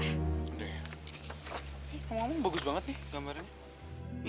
kamu ngomong bagus banget nih gambarannya